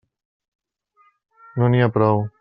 No n'hi ha prou.